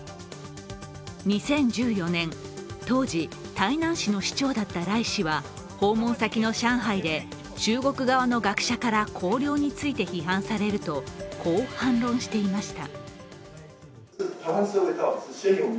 ２０１４年、当時台南市の市長だった頼氏は訪問先の上海で、中国側の学者から綱領について批判されると、こう反論していました。